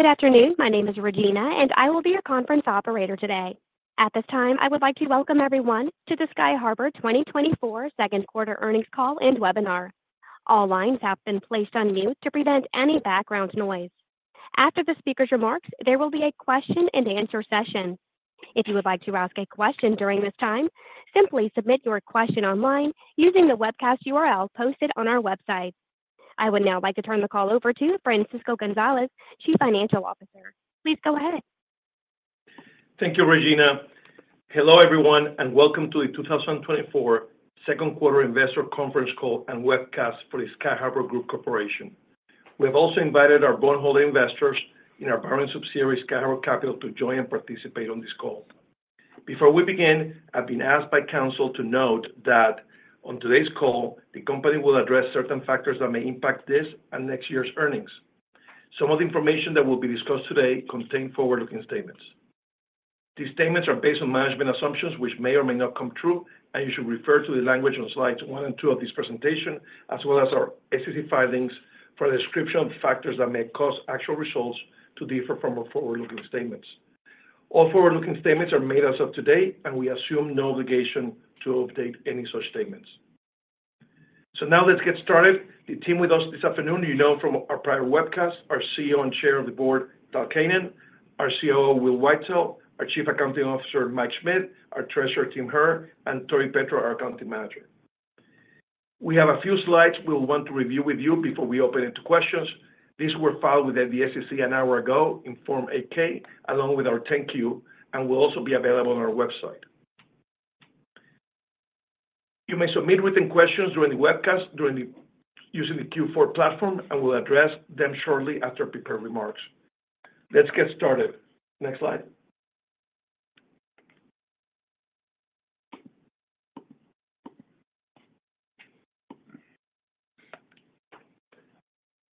Good afternoon. My name is Regina, and I will be your conference operator today. At this time, I would like to welcome everyone to the Sky Harbour 2024 Q2 Earnings Call and Webinar. All lines have been placed on mute to prevent any background noise. After the speaker's remarks, there will be a question and answer session. If you would like to ask a question during this time, simply submit your question online using the webcast URL posted on our website. I would now like to turn the call over to Francisco Gonzalez, Chief Financial Officer. Please go ahead. Thank you, Regina. Hello, everyone, and welcome to the 2024 Q2 investor conference call and webcast for the Sky Harbour Group Corporation. We have also invited our bond holding investors in our parent subsidiary, Sky Harbour Capital, to join and participate on this call. Before we begin, I've been asked by counsel to note that on today's call, the company will address certain factors that may impact this and next year's earnings. Some of the information that will be discussed today contain forward-looking statements. These statements are based on management assumptions, which may or may not come true, and you should refer to the language on slides 1 and 2 of this presentation, as well as our SEC filings for a description of factors that may cause actual results to differ from our forward-looking statements. All forward-looking statements are made as of today, and we assume no obligation to update any such statements. So now let's get started. The team with us this afternoon, you know from our prior webcast, our CEO and Chairman of the Board, Tal Keinan, our COO, Will Whitesell, our Chief Accounting Officer, Mike Schmidt, our Treasurer, Tim Herr, and Tori Petro, our Accounting Manager. We have a few slides we'll want to review with you before we open it to questions. These were filed with the SEC an hour ago in Form 8-K, along with our Form 10-Q, and will also be available on our website. You may submit written questions during the webcast using the Q4 platform, and we'll address them shortly after prepared remarks. Let's get started. Next slide.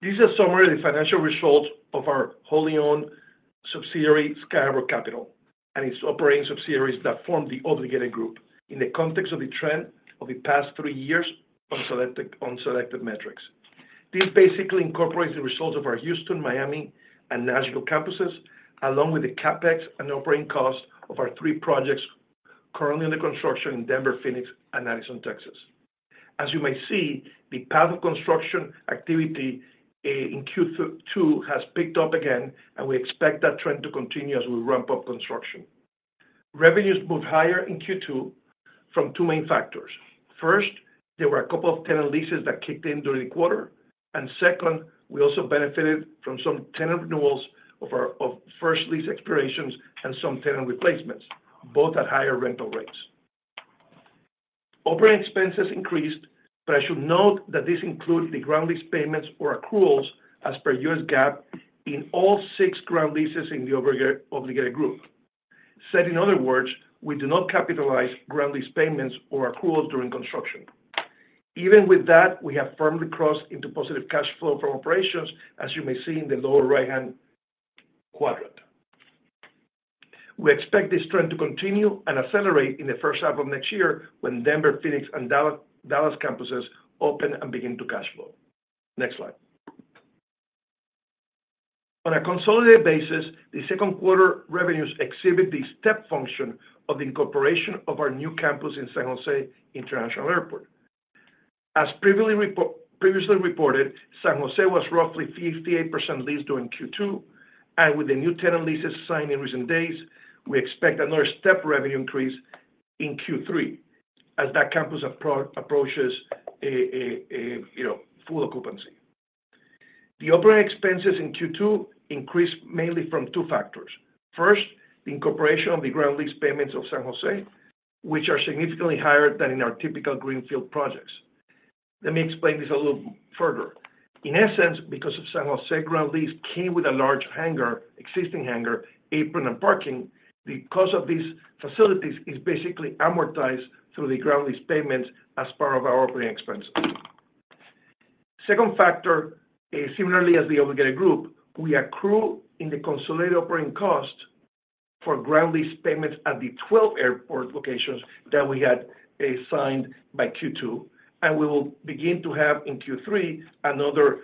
This is a summary of the financial results of our wholly owned subsidiary, Sky Harbour Capital, and its operating subsidiaries that form the Obligated Group in the context of the trend of the past 3 years on selected metrics. This basically incorporates the results of our Houston, Miami, and Nashville campuses, along with the CapEx and operating costs of our 3 projects currently under construction in Denver, Phoenix, and Addison, Texas. As you may see, the path of construction activity in Q2 has picked up again, and we expect that trend to continue as we ramp up construction. Revenues moved higher in Q2 from 2 main factors: First, there were a couple of tenant leases that kicked in during the quarter, and second, we also benefited from some tenant renewals of our first lease expirations and some tenant replacements, both at higher rental rates. Operating expenses increased, but I should note that this includes the ground lease payments or accruals as per US GAAP in all six ground leases in the obligated group. Said in other words, we do not capitalize ground lease payments or accruals during construction. Even with that, we have firmly crossed into positive cash flow from operations, as you may see in the lower right-hand quadrant. We expect this trend to continue and accelerate in the first half of next year when Denver, Phoenix, and Dallas, Dallas campuses open and begin to cash flow. Next slide. On a consolidated basis, the Q2 revenues exhibit the step function of the incorporation of our new campus in San Jose International Airport. As previously reported, San Jose was roughly 58% leased during Q2, and with the new tenant leases signed in recent days, we expect another step revenue increase in Q3 as that campus approaches, you know, full occupancy. The operating expenses in Q2 increased mainly from two factors. First, the incorporation of the ground lease payments of San Jose, which are significantly higher than in our typical greenfield projects. Let me explain this a little further. In essence, because of San Jose ground lease came with a large hangar, existing hangar, apron, and parking. The cost of these facilities is basically amortized through the ground lease payments as part of our operating expense. Second factor, similarly as the Obligated Group, we accrue in the consolidated operating cost for ground lease payments at the 12 airport locations that we had signed by Q2, and we will begin to have in Q3 another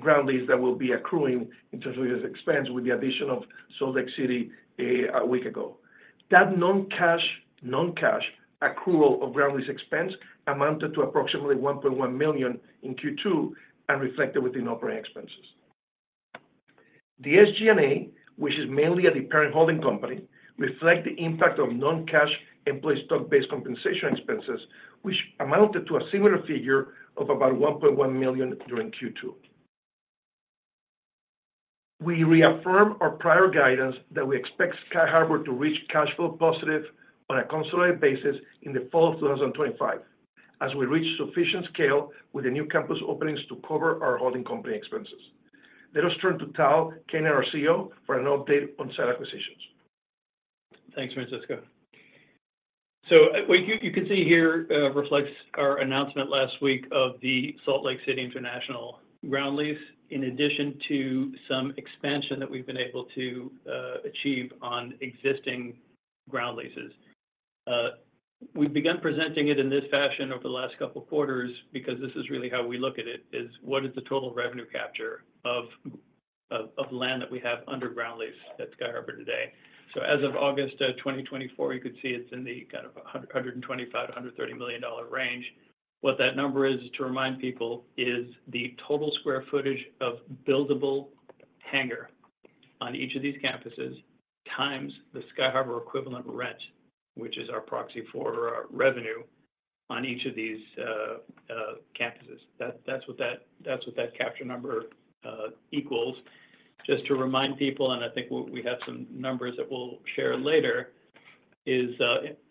ground lease that will be accruing in terms of this expense with the addition of Salt Lake City a week ago. That non-cash accrual of ground lease expense amounted to approximately $1.1 million in Q2 and reflected within operating expenses. The SG&A, which is mainly at the parent holding company, reflect the impact of non-cash employee stock-based compensation expenses, which amounted to a similar figure of about $1.1 million during Q2. We reaffirm our prior guidance that we expect Sky Harbour to reach cash flow positive on a consolidated basis in the fall of 2025 as we reach sufficient scale with the new campus openings to cover our holding company expenses. Let us turn to Tal Keinan, our CEO, for an update on site acquisitions. Thanks, Francisco. So what you can see here reflects our announcement last week of the Salt Lake City International ground lease, in addition to some expansion that we've been able to achieve on existing ground leases. We've begun presenting it in this fashion over the last couple of quarters because this is really how we look at it, is what is the total revenue capture of land that we have under ground lease at Sky Harbour today? So as of August 2024, you could see it's in the kind of a $125 million-$130 million range. What that number is, to remind people, is the total square footage of buildable hangar on each of these campuses, times the Sky Harbour equivalent rent, which is our proxy for revenue on each of these campuses. That's what that capture number equals. Just to remind people, and I think we have some numbers that we'll share later,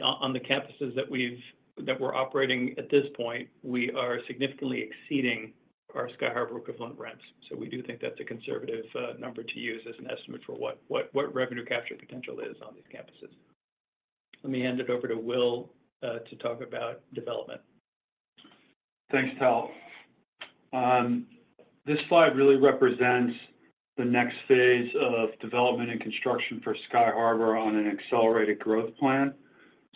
on the campuses that we're operating at this point, we are significantly exceeding our Sky Harbour equivalent rents. So we do think that's a conservative number to use as an estimate for what revenue capture potential is on these campuses. Let me hand it over to Will to talk about development. Thanks, Tal. This slide really represents the next phase of development and construction for Sky Harbour on an accelerated growth plan,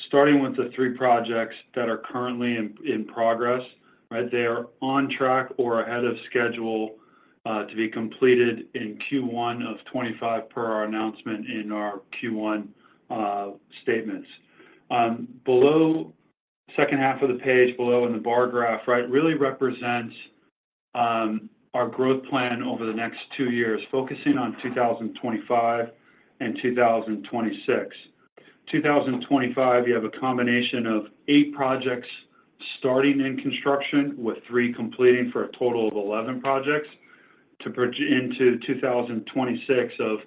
starting with the three projects that are currently in progress, right? They are on track or ahead of schedule to be completed in Q1 of 2025, per our announcement in our Q1 statements. Below, second half of the page, below in the bar graph, right, really represents our growth plan over the next two years, focusing on 2025 and 2026. 2025, you have a combination of eight projects starting in construction, with three completing for a total of 11 projects. To bridge into 2026 of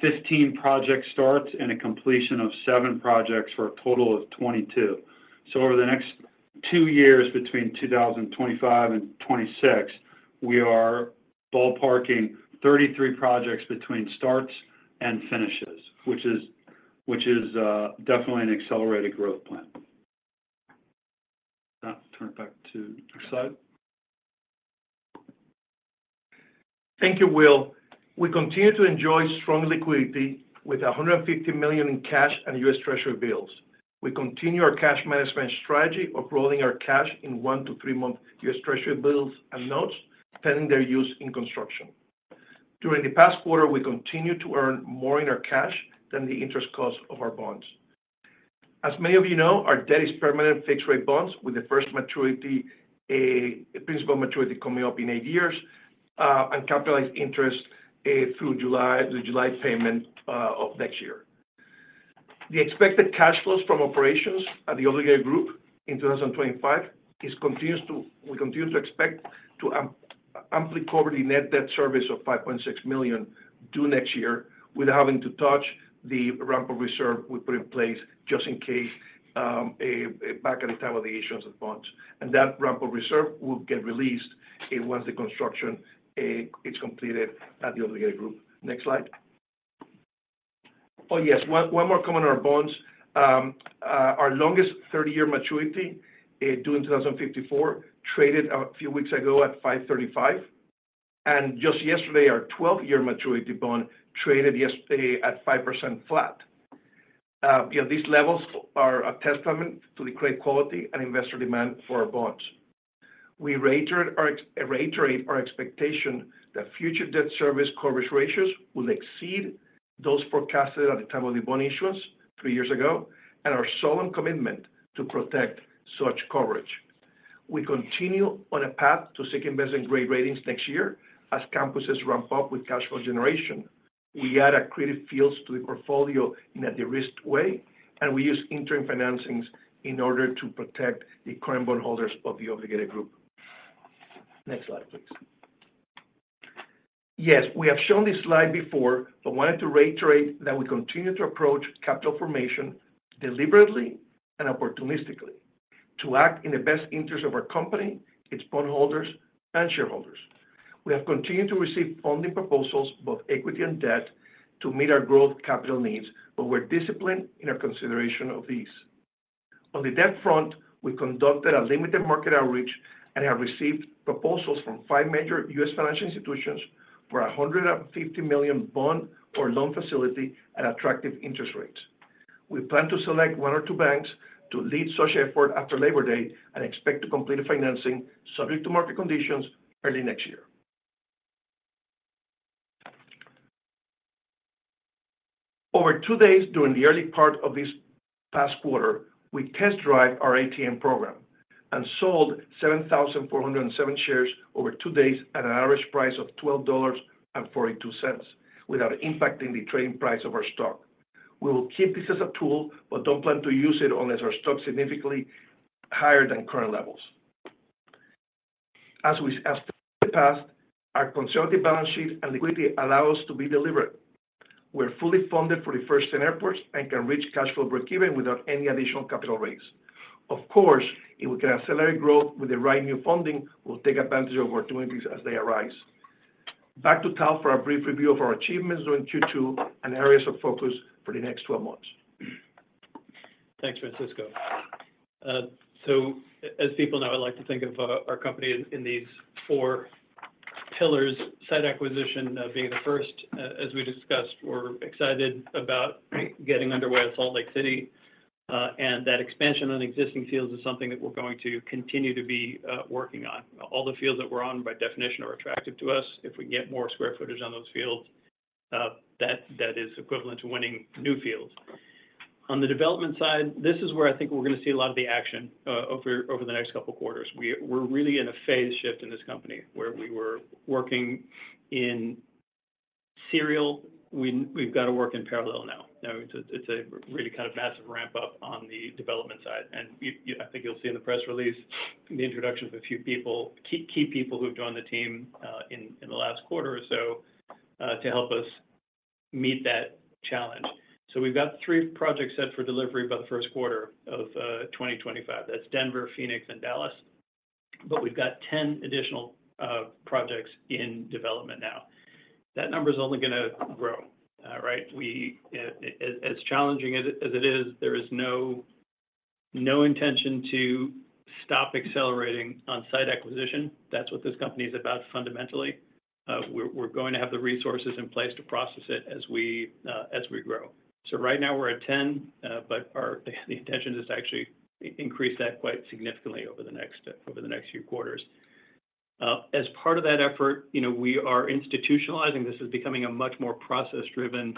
15 projects starts, and a completion of seven projects for a total of 22. So over the next two years, between 2025 and 2026, we are ballparking 33 projects between starts and finishes, which is definitely an accelerated growth plan. Now, turn it back to next slide. Thank you, Will. We continue to enjoy strong liquidity with $150 million in cash and U.S. Treasury bills. We continue our cash management strategy of rolling our cash in 1- to 3-month U.S. Treasury bills and notes, pending their use in construction. During the past quarter, we continued to earn more in our cash than the interest cost of our bonds. As many of you know, our debt is permanent fixed-rate bonds, with the first maturity, principal maturity coming up in 8 years, and capitalized interest, through July, the July payment, of next year. The expected cash flows from operations at the Obligated Group in 2025 we continue to expect to amply cover the net debt service of $5.6 million due next year, without having to touch the ramp-up reserve we put in place, just in case, back at the time of the issuance of bonds. That ramp-up reserve will get released once the construction is completed at the Obligated Group. Next slide. Oh, yes, one more comment on our bonds. Our longest 30-year maturity due in 2054 traded a few weeks ago at 5.35, and just yesterday, our 12-year maturity bond traded yesterday at 5% flat. These levels are a testament to the great quality and investor demand for our bonds. We reiterate our expectation that future debt service coverage ratios will exceed those forecasted at the time of the bond issuance three years ago, and our solemn commitment to protect such coverage. We continue on a path to seek investment-grade ratings next year as campuses ramp up with cash flow generation. We add accretive fields to the portfolio in a de-risked way, and we use interim financings in order to protect the current bondholders of the Obligated Group. Next slide, please. Yes, we have shown this slide before, but wanted to reiterate that we continue to approach capital formation deliberately and opportunistically to act in the best interest of our company, its bondholders and shareholders. We have continued to receive funding proposals, both equity and debt, to meet our growth capital needs, but we're disciplined in our consideration of these. On the debt front, we conducted a limited market outreach and have received proposals from 5 major U.S. financial institutions for a $150 million bond or loan facility at attractive interest rates. We plan to select 1 or 2 banks to lead such effort after Labor Day and expect to complete the financing, subject to market conditions, early next year. Over 2 days, during the early part of this past quarter, we test-drove our ATM program and sold 7,407 shares over 2 days at an average price of $12.42, without impacting the trading price of our stock. We will keep this as a tool, but don't plan to use it unless our stock is significantly higher than current levels. As in the past, our conservative balance sheet and liquidity allow us to be deliberate. We're fully funded for the first 10 airports and can reach cash flow breakeven without any additional capital raise. Of course, if we can accelerate growth with the right new funding, we'll take advantage of opportunities as they arise. Back to Tal for a brief review of our achievements during Q2 and areas of focus for the next 12 months. Thanks, Francisco. So as people know, I like to think of our company in these four pillars, site acquisition being the first. As we discussed, we're excited about getting underway at Salt Lake City, and that expansion on existing fields is something that we're going to continue to be working on. All the fields that we're on, by definition, are attractive to us. If we can get more square footage on those fields, that is equivalent to winning new fields. On the development side, this is where I think we're gonna see a lot of the action over the next couple of quarters. We're really in a phase shift in this company, where we were working in serial, we've got to work in parallel now. You know, it's a really kind of massive ramp-up on the development side. And you I think you'll see in the press release, the introduction of a few people, key people who have joined the team in the last quarter or so to help us meet that challenge. So we've got three projects set for delivery by the Q1 of 2025. That's Denver, Phoenix, and Dallas, but we've got 10 additional projects in development now. That number is only gonna grow, right? We As challenging as it is, there is no intention to stop accelerating on-site acquisition. That's what this company is about, fundamentally. We're going to have the resources in place to process it as we grow. So right now we're at 10, but our the intention is to actually increase that quite significantly over the next, over the next few quarters. As part of that effort, you know, we are institutionalizing. This is becoming a much more process-driven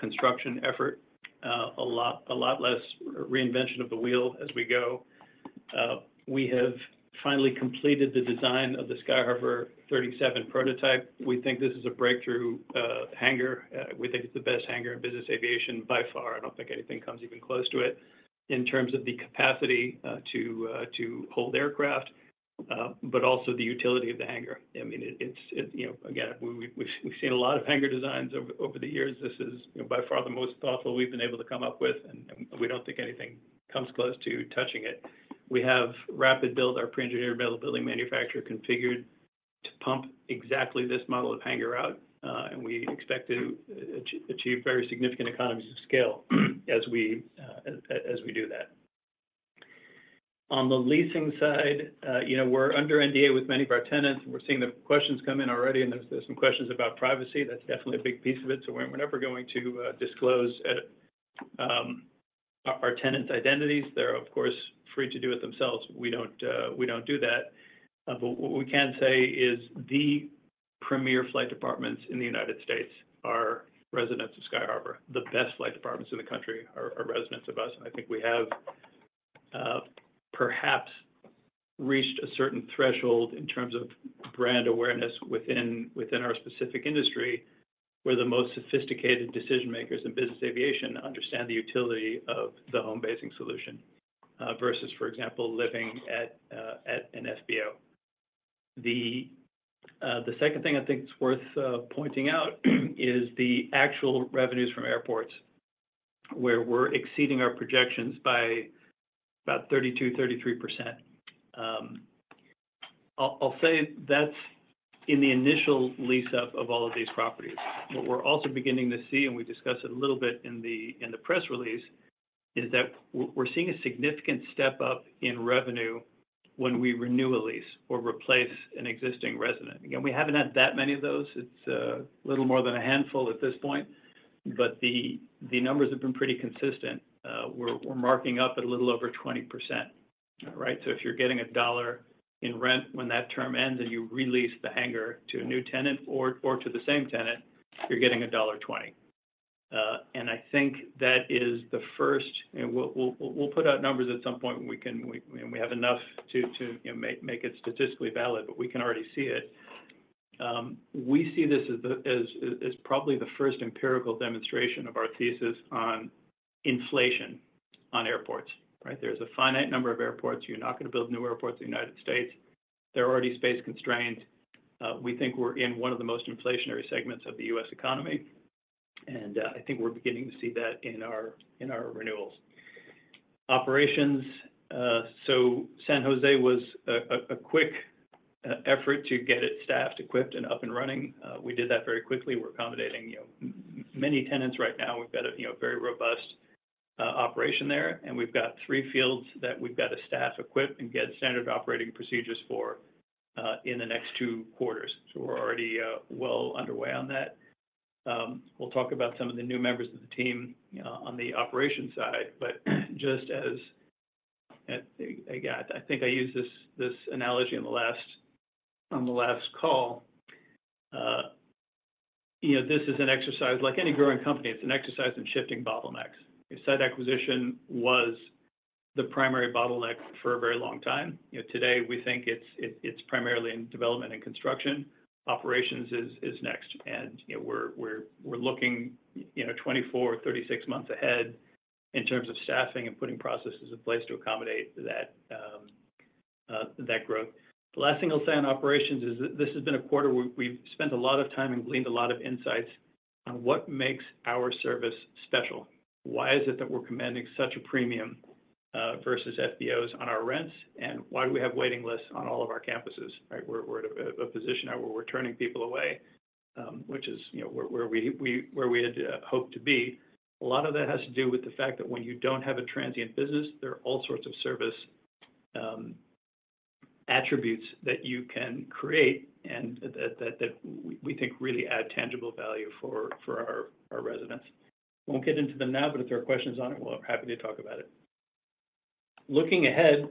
construction effort, a lot, a lot less reinvention of the wheel as we go. We have finally completed the design of the Sky Harbour 37 prototype. We think this is a breakthrough hangar. We think it's the best hangar in business aviation by far. I don't think anything comes even close to it in terms of the capacity to, to hold aircraft, but also the utility of the hangar. I mean, it's. You know, again, we, we've, we've seen a lot of hangar designs over, over the years. This is, you know, by far the most thoughtful we've been able to come up with, and we don't think anything comes close to touching it. We have RapidBuilt, our pre-engineered available building manufacturer configured to pump exactly this model of hangar out, and we expect to achieve very significant economies of scale as we do that. On the leasing side, you know, we're under NDA with many of our tenants, and we're seeing the questions come in already, and there's some questions about privacy. That's definitely a big piece of it. So we're never going to disclose our tenants' identities. They're, of course, free to do it themselves. We don't, we don't do that. But what we can say is the premier flight departments in the United States are residents of Sky Harbour. The best flight departments in the country are residents of us. I think we have perhaps reached a certain threshold in terms of brand awareness within our specific industry, where the most sophisticated decision-makers in business aviation understand the utility of the home basing solution versus, for example, living at an FBO. The second thing I think it's worth pointing out is the actual revenues from airports, where we're exceeding our projections by about 32%-33%. I'll say that's in the initial lease-up of all of these properties. What we're also beginning to see, and we discussed it a little bit in the press release, is that we're seeing a significant step up in revenue when we renew a lease or replace an existing resident. Again, we haven't had that many of those. It's little more than a handful at this point, but the numbers have been pretty consistent. We're marking up at a little over 20%, right? So if you're getting $1 in rent, when that term ends and you re-lease the hangar to a new tenant or to the same tenant, you're getting $1.20. And I think that is the first, and we'll put out numbers at some point when we can—when we have enough to, you know, make it statistically valid, but we can already see it. We see this as probably the first empirical demonstration of our thesis on inflation, on airports, right? There's a finite number of airports. You're not gonna build new airports in the United States. They're already space-constrained. We think we're in one of the most inflationary segments of the U.S. economy, and I think we're beginning to see that in our renewals. Operations, so San Jose was a quick effort to get it staffed, equipped, and up and running. We did that very quickly. We're accommodating, you know, many tenants right now. We've got a, you know, very robust operation there, and we've got three fields that we've got to staff, equip, and get standard operating procedures for in the next two quarters. So we're already well underway on that. We'll talk about some of the new members of the team on the operations side, but just as I got, I think I used this analogy on the last call. You know, this is an exercise. Like any growing company, it's an exercise in shifting bottlenecks. If site acquisition was the primary bottleneck for a very long time, you know, today, we think it's primarily in development and construction. Operations is next, and, you know, we're looking 24-36 months ahead in terms of staffing and putting processes in place to accommodate that growth. The last thing I'll say on operations is that this has been a quarter where we've spent a lot of time and gleaned a lot of insights on what makes our service special. Why is it that we're commanding such a premium versus FBOs on our rents, and why do we have waiting lists on all of our campuses, right? We're at a position now where we're turning people away. which is, you know, where we had hoped to be. A lot of that has to do with the fact that when you don't have a transient business, there are all sorts of service attributes that you can create and that we think really add tangible value for our residents. I won't get into them now, but if there are questions on it, we're happy to talk about it. Looking ahead,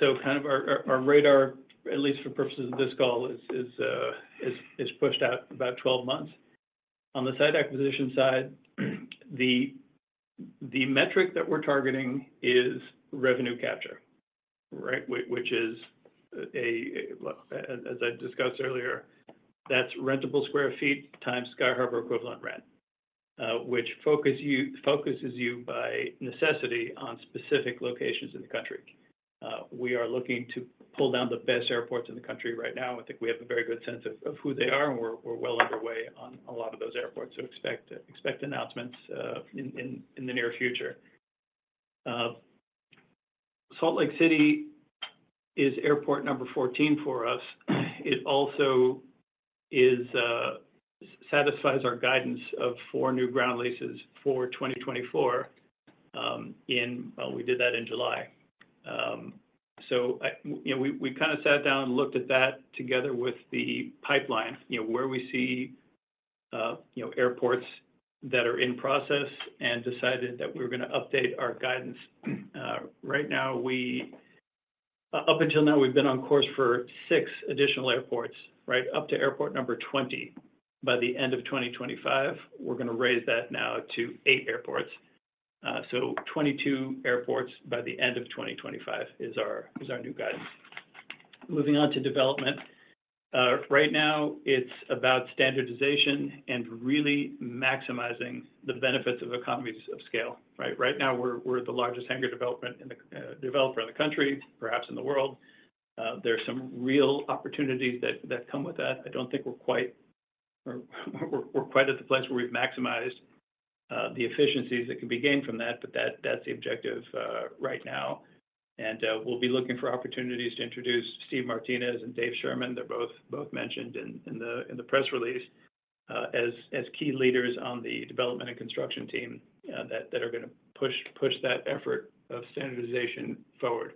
so kind of our radar, at least for purposes of this call, is pushed out about 12 months. On the site acquisition side, the metric that we're targeting is Revenue Capture, right? Which is, as I discussed earlier, that's rentable square feet times Sky Harbour equivalent rent, which focuses you by necessity on specific locations in the country. We are looking to pull down the best airports in the country right now. I think we have a very good sense of who they are, and we're well underway on a lot of those airports, so expect announcements in the near future. Salt Lake City is airport number 14 for us. It also satisfies our guidance of 4 new ground leases for 2024. Well, we did that in July. So I, you know, we, we kind of sat down and looked at that together with the pipeline, you know, where we see, you know, airports that are in process, and decided that we're going to update our guidance. Right now, we up until now, we've been on course for 6 additional airports, right, up to airport number 20, by the end of 2025. We're going to raise that now to 8 airports. So 22 airports by the end of 2025 is our new guidance. Moving on to development. Right now, it's about standardization and really maximizing the benefits of economies of scale, right? Right now, we're, we're the largest hangar developer in the country, perhaps in the world. There are some real opportunities that come with that. I don't think we're quite at the place where we've maximized the efficiencies that can be gained from that, but that's the objective right now. We'll be looking for opportunities to introduce Steve Martinez and Dave Sherman. They're both mentioned in the press release as key leaders on the development and construction team that are going to push that effort of standardization forward.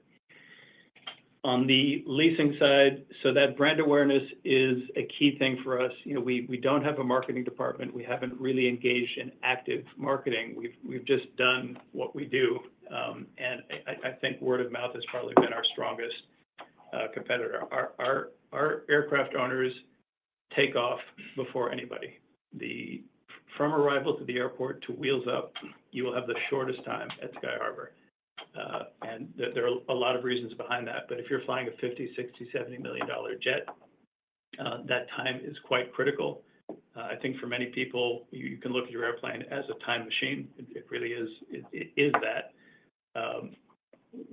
On the leasing side, so that brand awareness is a key thing for us. You know, we don't have a marketing department. We haven't really engaged in active marketing. We've just done what we do. And I think word of mouth has probably been our strongest competitor. Our aircraft owners take off before anybody. From arrival to the airport to wheels up, you will have the shortest time at Sky Harbour. And there are a lot of reasons behind that, but if you're flying a $50-$70 million jet, that time is quite critical. I think for many people, you can look at your airplane as a time machine. It really is. It is that.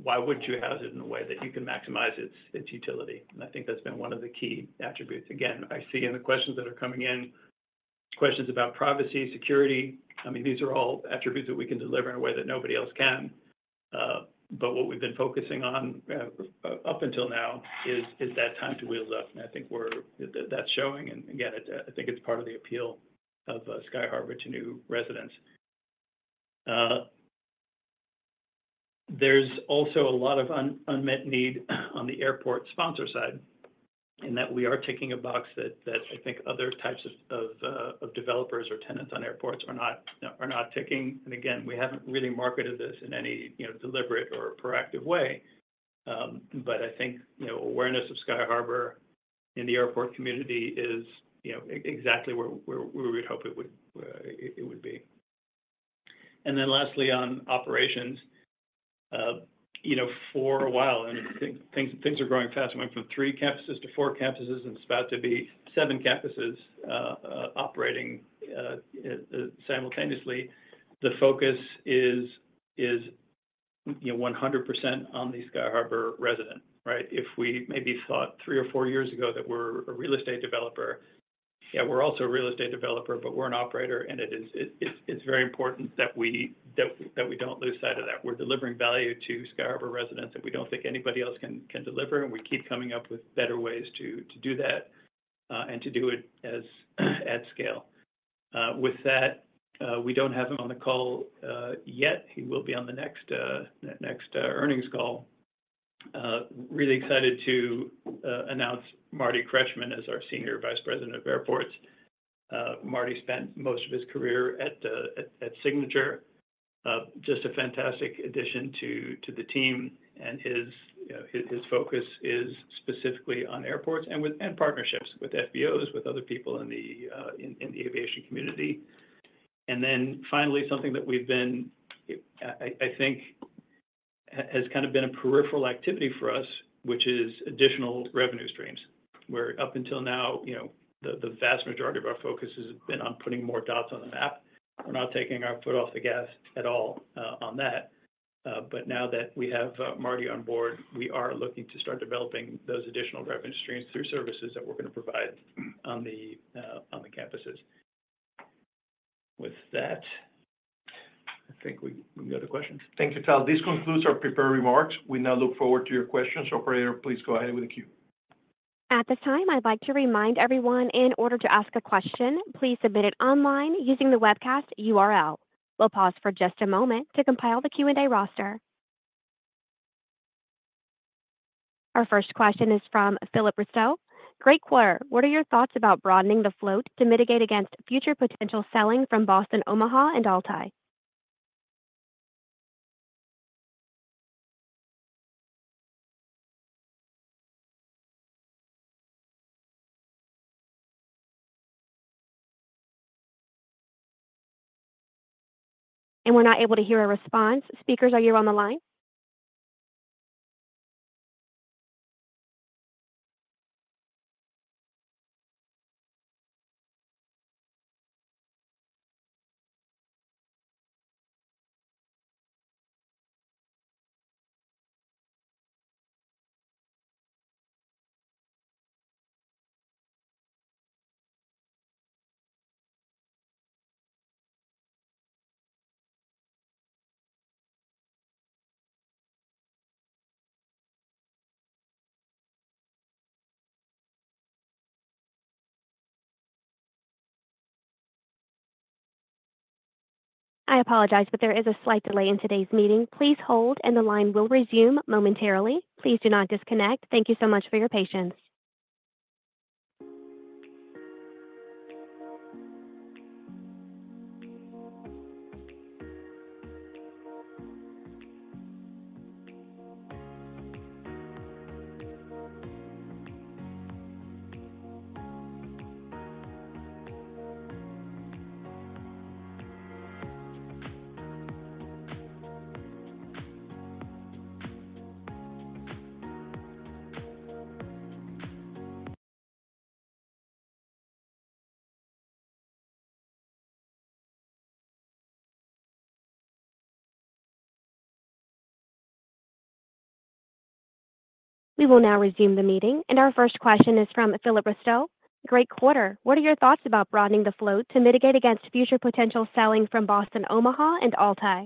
Why wouldn't you house it in a way that you can maximize its utility? And I think that's been one of the key attributes. Again, I see in the questions that are coming in, questions about privacy, security. I mean, these are all attributes that we can deliver in a way that nobody else can. But what we've been focusing on, up until now is that time to wheels up, and I think we're that, that's showing, and, again, I think it's part of the appeal of Sky Harbour to new residents. There's also a lot of unmet need on the airport sponsor side, in that we are ticking a box that I think other types of developers or tenants on airports are not ticking. And again, we haven't really marketed this in any, you know, deliberate or proactive way. But I think, you know, awareness of Sky Harbour in the airport community is, you know, exactly where we would hope it would be. And then lastly, on operations, you know, for a while, and things are growing fast. It went from 3 campuses to 4 campuses, and it's about to be 7 campuses operating simultaneously. The focus is, you know, 100% on the Sky Harbour resident, right? If we maybe thought 3 or 4 years ago that we're a real estate developer, yeah, we're also a real estate developer, but we're an operator, and it's very important that we don't lose sight of that. We're delivering value to Sky Harbour residents that we don't think anybody else can deliver, and we keep coming up with better ways to do that and to do it at scale. With that, we don't have him on the call yet. He will be on the next earnings call. Really excited to announce Marty Kretchman as our Senior Vice President of Airports. Marty spent most of his career at Signature. Just a fantastic addition to the team, and his, you know, his focus is specifically on airports and with and partnerships, with FBOs, with other people in the aviation community. And then finally, something that we've been, I think has kind of been a peripheral activity for us, which is additional revenue streams, where up until now, you know, the vast majority of our focus has been on putting more dots on the map. We're not taking our foot off the gas at all on that. But now that we have Marty on board, we are looking to start developing those additional revenue streams through services that we're going to provide on the campuses. With that, I think we can go to questions. Thank you, Tal. This concludes our prepared remarks. We now look forward to your questions. Operator, please go ahead with the queue. At this time, I'd like to remind everyone, in order to ask a question, please submit it online using the webcast URL. We'll pause for just a moment to compile the Q&A roster. Our first question is from Philip Ristow. Great quarter! What are your thoughts about broadening the float to mitigate against future potential selling from Boston Omaha and Altai? And we're not able to hear a response. Speakers, are you on the line? I apologize, but there is a slight delay in today's meeting. Please hold and the line will resume momentarily. Please do not disconnect. Thank you so much for your patience. We will now resume the meeting, and our first question is from Philip Ristow. Great quarter. What are your thoughts about broadening the float to mitigate against future potential selling from Boston Omaha and Altai?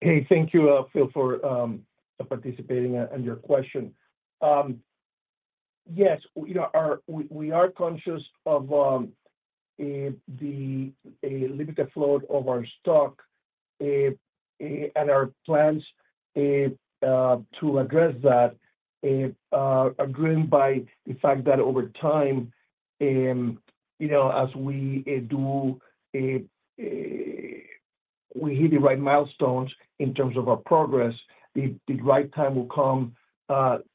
Hey, thank you, Phil, for participating and your question. Yes, you know, we are conscious of a limited float of our stock and our plans to address that are driven by the fact that over time, you know, as we do we hit the right milestones in terms of our progress, the right time will come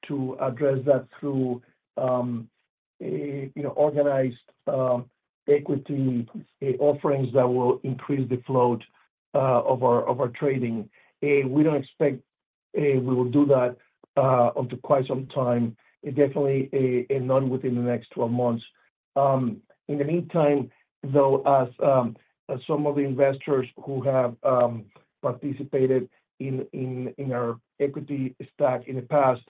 to address that through you know, organized equity offerings that will increase the float of our trading. We don't expect we will do that until quite some time, definitely not within the next 12 months. In the meantime, though, as some of the investors who have participated in our equity stack in the past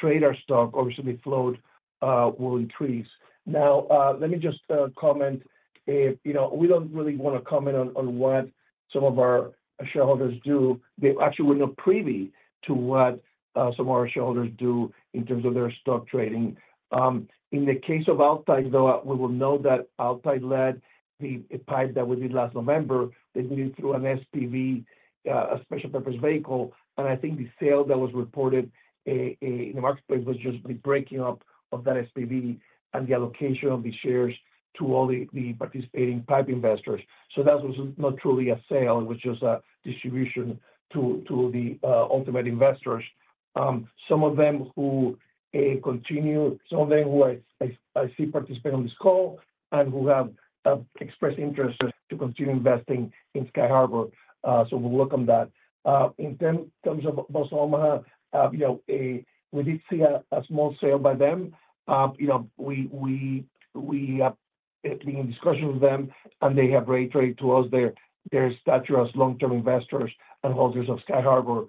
trade our stock, obviously, float will increase. Now, let me just comment, you know, we don't really want to comment on what some of our shareholders do. They actually were not privy to what some of our shareholders do in terms of their stock trading. In the case of Altai, though, we will note that Altai led the PIPE that we did last November. They did it through an SPV, a special purpose vehicle, and I think the sale that was reported in the marketplace was just the breaking up of that SPV and the allocation of the shares to all the participating PIPE investors. So that was not truly a sale, it was just a distribution to the ultimate investors. Some of them who I see participate on this call and who have expressed interest to continue investing in Sky Harbour. So we welcome that. In terms of Boston Omaha, you know, we did see a small sale by them. You know, we in discussion with them, and they have reiterated to us their stature as long-term investors and holders of Sky Harbour.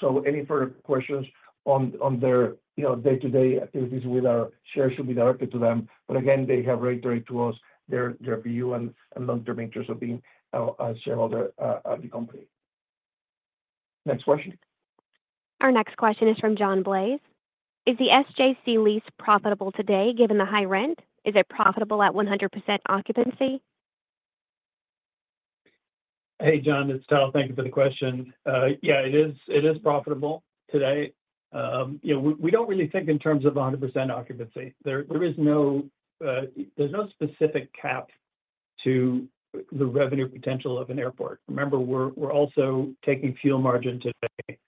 So any further questions on their, you know, day-to-day activities with our shares should be directed to them. But again, they have reiterated to us their view and long-term interests of being a shareholder of the company. Next question. Our next question is from John Blais. Is the SJC lease profitable today, given the high rent? Is it profitable at 100% occupancy? Hey, John, it's Tal. Thank you for the question. Yeah, it is profitable today. You know, we don't really think in terms of 100% occupancy. There is no specific cap to the revenue potential of an airport. Remember, we're also taking fuel margin today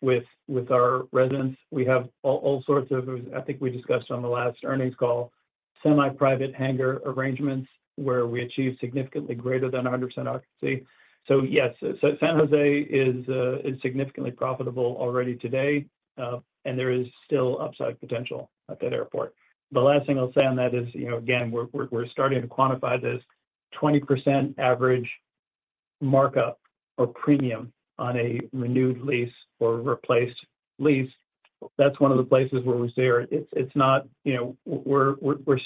with our residents. We have all sorts of. I think we discussed on the last earnings call semi-private hangar arrangements, where we achieve significantly greater than 100% occupancy. So yes, San Jose is significantly profitable already today, and there is still upside potential at that airport. The last thing I'll say on that is, you know, again, we're starting to quantify this 20% markup or premium on a renewed lease or replaced lease, that's one of the places where we see it. It's not, you know, we're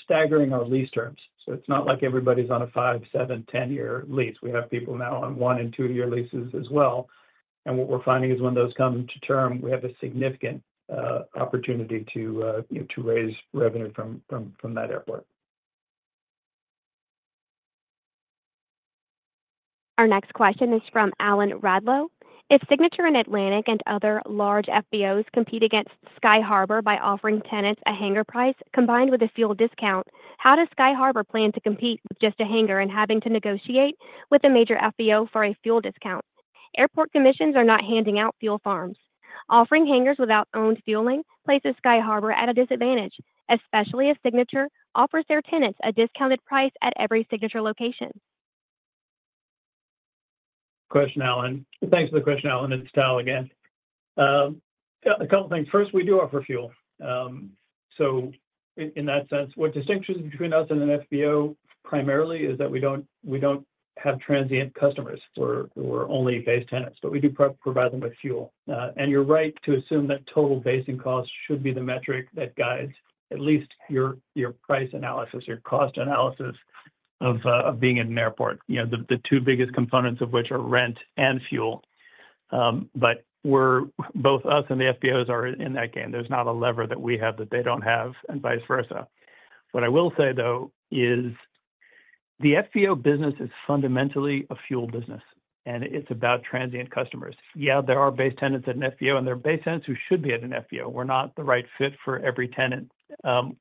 staggering our lease terms, so it's not like everybody's on a 5-, 7-, 10-year lease. We have people now on 1- and 2-year leases as well. What we're finding is when those come to term, we have a significant opportunity to, you know, to raise revenue from that airport. Our next question is from Alan Radlo. If Signature and Atlantic and other large FBOs compete against Sky Harbour by offering tenants a hangar price combined with a fuel discount, how does Sky Harbour plan to compete with just a hangar and having to negotiate with a major FBO for a fuel discount? Airport commissions are not handing out fuel farms. Offering hangars without owned fueling places Sky Harbour at a disadvantage, especially if Signature offers their tenants a discounted price at every Signature location. Question, Alan. Thanks for the question, Alan. It's Tal again. A couple things. First, we do offer fuel. So in that sense, what distinguishes between us and an FBO primarily is that we don't, we don't have transient customers, we're, we're only base tenants, but we do provide them with fuel. And you're right to assume that total basing costs should be the metric that guides at least your, your price analysis, your cost analysis of being at an airport. You know, the two biggest components of which are rent and fuel. But we're both us and the FBOs are in that game. There's not a lever that we have that they don't have and vice versa. What I will say, though, is the FBO business is fundamentally a fuel business, and it's about transient customers. Yeah, there are base tenants at an FBO, and there are base tenants who should be at an FBO. We're not the right fit for every tenant.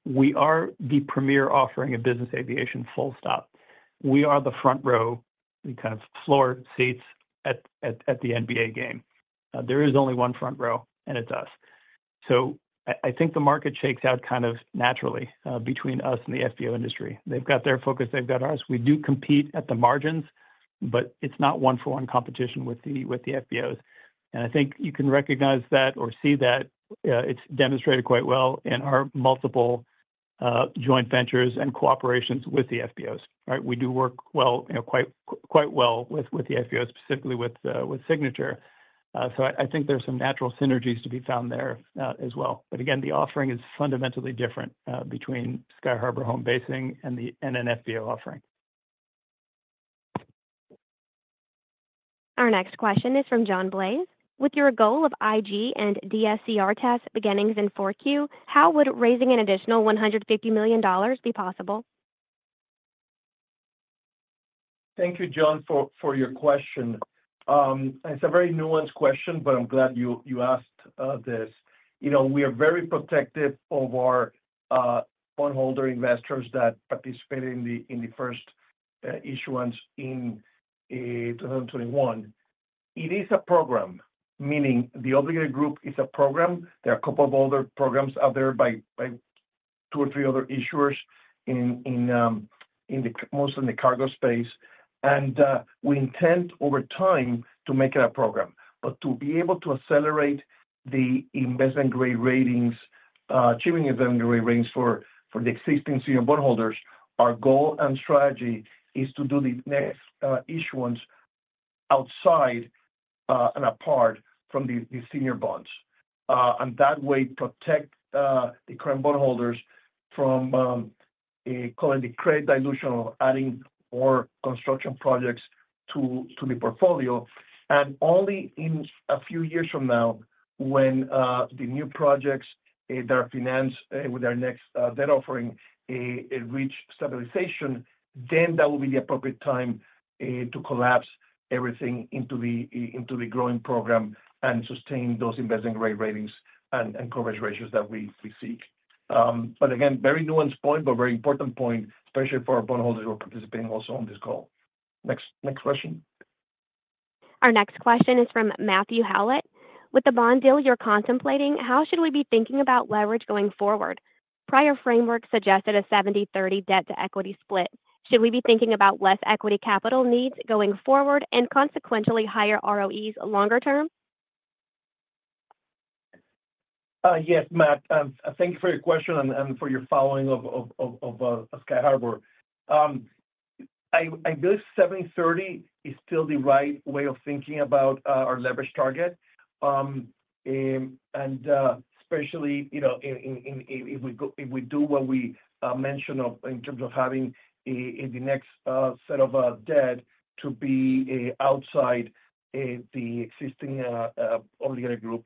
We are the premier offering of business aviation, full stop. We are the front row and kind of floor seats at the NBA game. There is only one front row, and it's us. So I think the market shakes out kind of naturally between us and the FBO industry. They've got their focus, they've got ours. We do compete at the margins, but it's not one-for-one competition with the FBOs. And I think you can recognize that or see that, it's demonstrated quite well in our multiple joint ventures and cooperations with the FBOs, right? We do work well, you know, quite well with the FBOs, specifically with Signature. So I think there's some natural synergies to be found there, as well. But again, the offering is fundamentally different, between Sky Harbour home basing and an FBO offering. Our next question is from John Blais. With your goal of IG and DSCR targets beginning in 4Q, how would raising an additional $150 million be possible? Thank you, John, for your question. It's a very nuanced question, but I'm glad you asked this. You know, we are very protective of our bondholder investors that participated in the first issuance in 2021. It is a program, meaning the Obligated Group is a program. There are a couple of other programs out there by two or three other issuers, mostly in the cargo space. We intend over time to make it a program. But to be able to accelerate the investment-grade ratings, achieving investment-grade ratings for the existing senior bondholders, our goal and strategy is to do the next issuance outside and apart from the senior bonds. And that way, protect the current bondholders from calling the credit dilution of adding more construction projects to the portfolio. And only in a few years from now, when the new projects that are financed with our next debt offering reach stabilization, then that will be the appropriate time to collapse everything into the into the growing program and sustain those investment-grade ratings and coverage ratios that we seek. But again, very nuanced point, but very important point, especially for our bondholders who are participating also on this call. Next question. Our next question is from Matthew Howlett. With the bond deal you're contemplating, how should we be thinking about leverage going forward? Prior framework suggested a 70/30 debt-to-equity split. Should we be thinking about less equity capital needs going forward and consequentially, higher ROEs longer term? Yes, Matt, thank you for your question and for your following of Sky Harbour. I believe 70/30 is still the right way of thinking about our leverage target. And especially, you know, if we do what we mentioned in terms of having in the next set of debt to be outside the existing Obligated Group.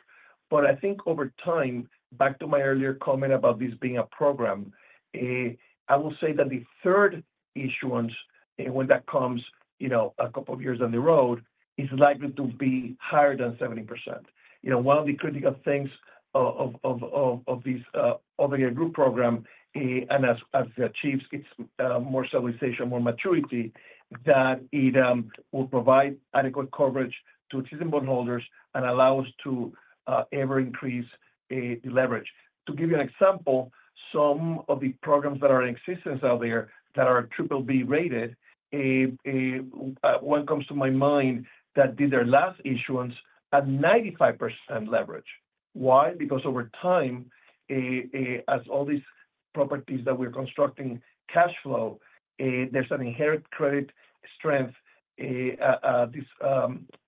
But I think over time, back to my earlier comment about this being a program, I will say that the third issuance, when that comes, you know, a couple of years down the road, is likely to be higher than 70%. You know, one of the critical things of this obligated group program, and as it achieves its more maturity, that it will provide adequate coverage to existing bondholders and allow us to ever increase leverage. To give you an example, some of the programs that are in existence out there that are BBB rated, one comes to my mind that did their last issuance at 95% leverage. Why? Because over time, as all these properties that we're constructing cash flow, there's an inherent credit strength these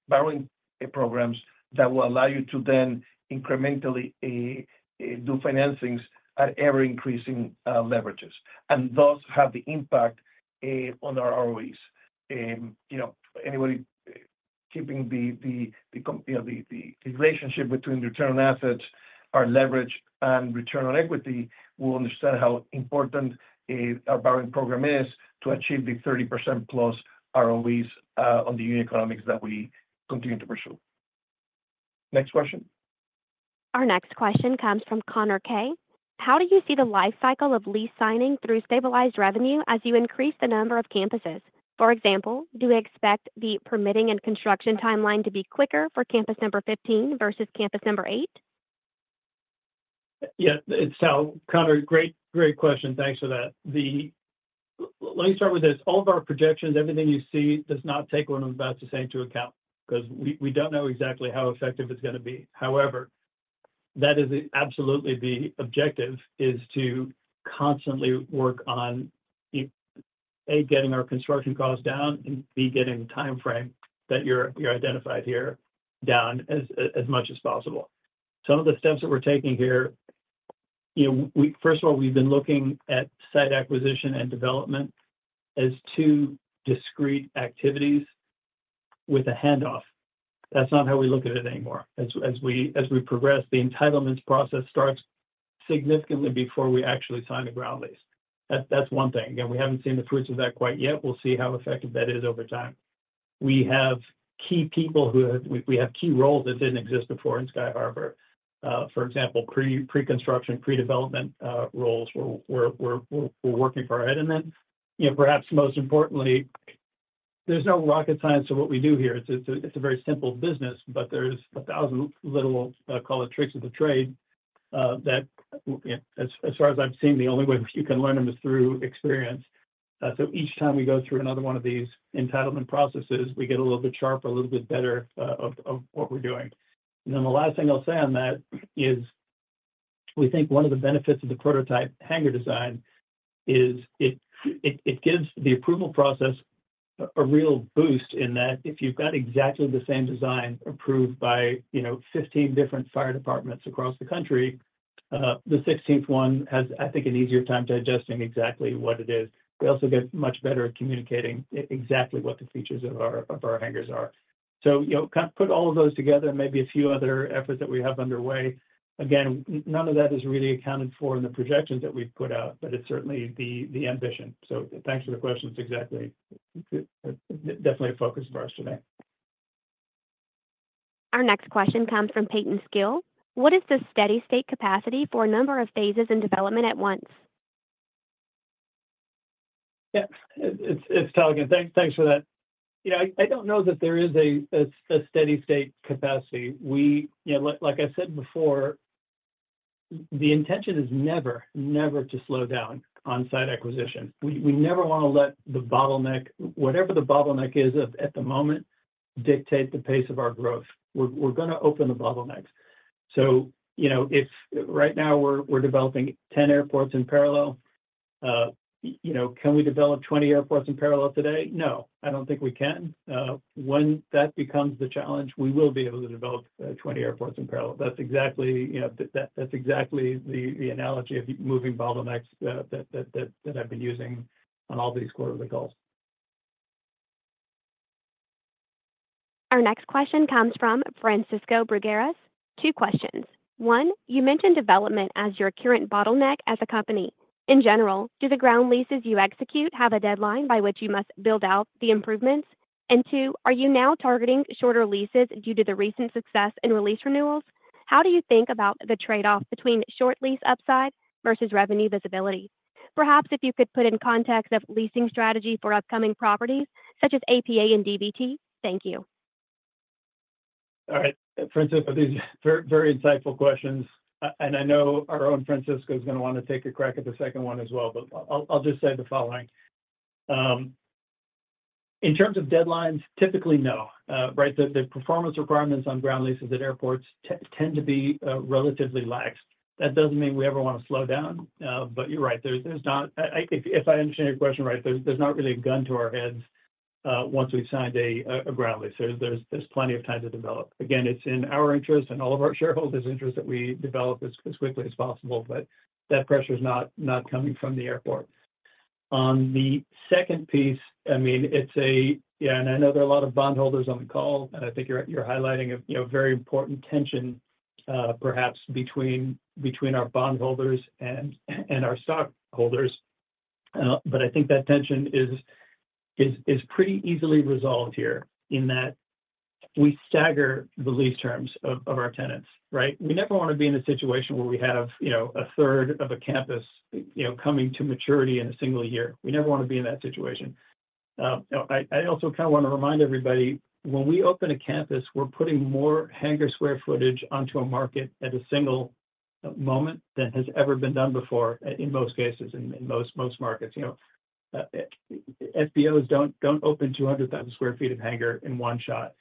borrowing programs that will allow you to then incrementally do financings at ever-increasing leverages, and thus have the impact on our ROEs. You know, anybody keeping the relationship between return on assets, our leverage, and return on equity will understand how important our borrowing program is to achieve the 30%+ ROEs on the unit economics that we continue to pursue. Next question. Our next question comes from Connor Kaye. How do you see the life cycle of lease signing through stabilized revenue as you increase the number of campuses? For example, do you expect the permitting and construction timeline to be quicker for campus number 15 versus campus number 8? Yeah, it's Tal. Connor, great, great question. Thanks for that. Let me start with this. All of our projections, everything you see, does not take what I'm about to say into account, 'cause we, we don't know exactly how effective it's gonna be. However, that is absolutely the objective, is to constantly work on, A, getting our construction costs down, and B, getting the timeframe that you identified here down as much as possible. Some of the steps that we're taking here, you know, first of all, we've been looking at site acquisition and development as two discrete activities with a handoff. That's not how we look at it anymore. As we progress, the entitlements process starts significantly before we actually sign the ground lease. That's one thing. Again, we haven't seen the fruits of that quite yet. We'll see how effective that is over time. We have key roles that didn't exist before in Sky Harbour. For example, pre-construction, pre-development roles, we're working our head in them. You know, perhaps most importantly, there's no rocket science to what we do here. It's a very simple business, but there's 1,000 little tricks of the trade that, as far as I've seen, the only way you can learn them is through experience. So each time we go through another one of these entitlement processes, we get a little bit sharper, a little bit better, of what we're doing. And then the last thing I'll say on that is we think one of the benefits of the prototype hangar design is it gives the approval process a real boost in that if you've got exactly the same design approved by, you know, 15 different fire departments across the country, the 16th one has, I think, an easier time digesting exactly what it is. We also get much better at communicating exactly what the features of our hangars are. So, you know, kind of put all of those together, and maybe a few other efforts that we have underway. Again, none of that is really accounted for in the projections that we've put out, but it's certainly the ambition. So thanks for the question. It's exactly definitely a focus of ours today. Our next question comes from Peyton Sewell. What is the steady state capacity for a number of phases in development at once? Yeah. It's Tal again. Thanks for that. You know, I don't know that there is a steady state capacity. We... You know, like, like I said before, the intention is never, never to slow down on-site acquisition. We never wanna let the bottleneck, whatever the bottleneck is at the moment, dictate the pace of our growth. We're gonna open the bottlenecks. So, you know, if right now we're developing 10 airports in parallel, you know, can we develop 20 airports in parallel today? No, I don't think we can. When that becomes the challenge, we will be able to develop 20 airports in parallel. That's exactly, you know, that's exactly the analogy of moving bottlenecks that I've been using on all these quarterly calls. Our next question comes from Francisco Bruguera. Two questions: One, you mentioned development as your current bottleneck as a company. In general, do the ground leases you execute have a deadline by which you must build out the improvements? And two, are you now targeting shorter leases due to the recent success in lease renewals? How do you think about the trade-off between short lease upside versus revenue visibility? Perhaps if you could put in context of leasing strategy for upcoming properties such as APA and DVT. Thank you. All right, Francisco, these very, very insightful questions, and I know our own Francisco is gonna wanna take a crack at the second one as well. But I'll just say the following. In terms of deadlines, typically, no. Right? The performance requirements on ground leases at airports tend to be relatively lax. That doesn't mean we ever wanna slow down, but you're right, there's not... If I understand your question right, there's not really a gun to our heads once we've signed a ground lease. There's plenty of time to develop. Again, it's in our interest and all of our shareholders' interest that we develop as quickly as possible, but that pressure is not coming from the airport. On the second piece, I mean, it's a yeah, and I know there are a lot of bondholders on the call, and I think you're highlighting a you know, very important tension, perhaps between our bondholders and our stockholders. But I think that tension is pretty easily resolved here in that we stagger the lease terms of our tenants, right? We never wanna be in a situation where we have, you know, a third of a campus, you know, coming to maturity in a single year. We never wanna be in that situation. I also kind of wanna remind everybody, when we open a campus, we're putting more hangar square footage onto a market at a moment than has ever been done before, in most cases, in most markets. You know, FBOs don't open 200,000 sq ft of hangar in one shot,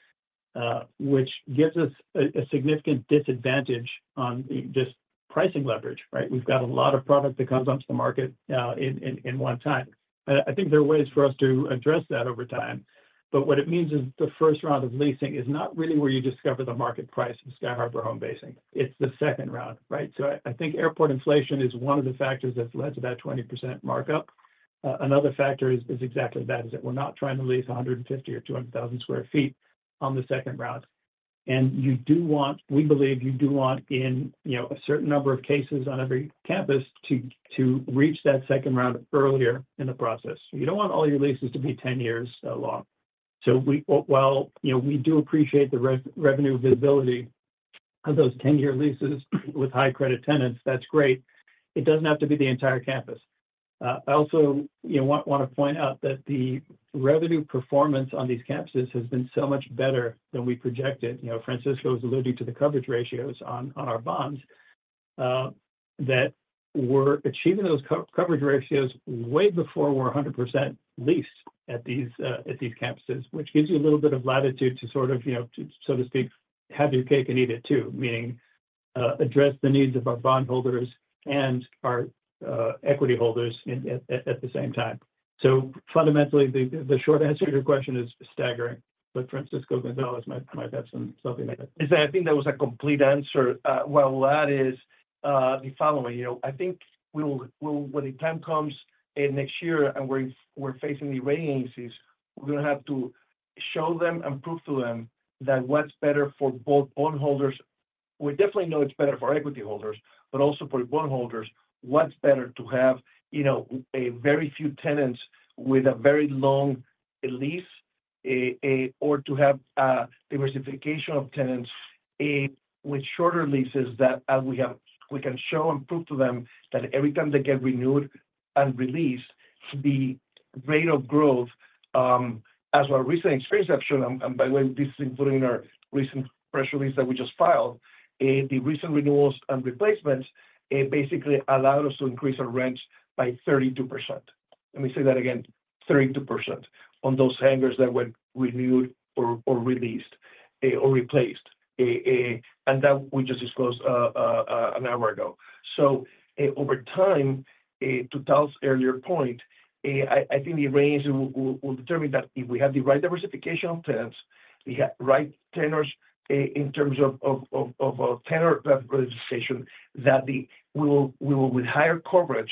which gives us a significant disadvantage on just pricing leverage, right? We've got a lot of product that comes onto the market in one time. And I think there are ways for us to address that over time, but what it means is the first round of leasing is not really where you discover the market price of Sky Harbour home basing. It's the second round, right? So I think airport inflation is one of the factors that's led to that 20% markup. Another factor is exactly that, is that we're not trying to lease 150 or 200,000 sq ft on the second round. You do want—we believe you do want, in, you know, a certain number of cases on every campus, to reach that second round earlier in the process. You don't want all your leases to be ten years long. So we—well, you know, we do appreciate the revenue visibility of those ten-year leases with high credit tenants. That's great. It doesn't have to be the entire campus. I also, you know, want to point out that the revenue performance on these campuses has been so much better than we projected. You know, Francisco was alluding to the coverage ratios on our bonds that we're achieving those coverage ratios way before we're 100% leased at these campuses, which gives you a little bit of latitude to sort of, you know, so to speak, have your cake and eat it too. Meaning, address the needs of our bondholders and our equity holders at the same time. So fundamentally, the short answer to your question is staggering, but Francisco Gonzalez might have something like that. Is that I think that was a complete answer. Well, that is the following. You know, I think we will, we'll when the time comes in next year and we're facing the rating agencies, we're gonna have to show them and prove to them that what's better for both bondholders. We definitely know it's better for equity holders, but also for bondholders, what's better to have, you know, a very few tenants with a very long lease, or to have a diversification of tenants, with shorter leases that we can show and prove to them that every time they get renewed and re-leased, the rate of growth, as our recent experience have shown, and by the way, this is including our recent press release that we just filed, the recent renewals and replacements, it basically allowed us to increase our rents by 32%. Let me say that again, 32% on those hangars that were renewed or re-leased or replaced, and that we just disclosed, an hour ago. Over time, to Tal's earlier point, I think the range will determine that if we have the right diversification on tenants, we have right tenants in terms of a tenant representation, that we will with higher coverage